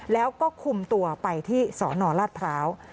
แล้วก็คุมตัวไปที่สนราชพร้าว